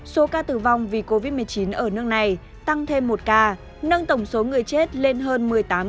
số ca tử vong vì covid một mươi chín ở nước này tăng thêm một ca nâng tổng số người chết lên hơn một mươi tám ba trăm linh